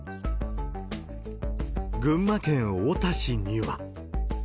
群馬県太田市には。